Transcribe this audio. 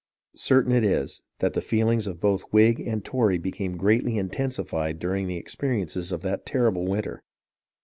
Certain it is that the feel ings of both Whig and Tory became greatly intensified during the experiences of that terrible winter.